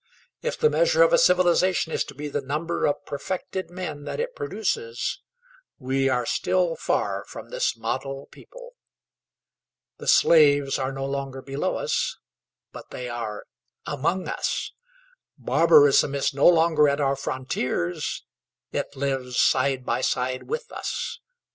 If the measure of a civilization is to be the number of perfected men that it produces, we are still far from this model people. The slaves are no longer below us, but they are among us. Barbarism is no longer at our frontiers: it lives side by side with us.